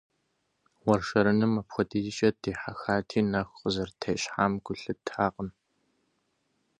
Уэршэрыным апхуэдизкӀэ дыдихьэхати, нэху къызэрыттещхьам гу лъыттакъым.